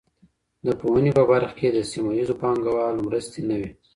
د پوهنې په برخه کي د سیمه ییزو پانګوالو مرستې نه وي.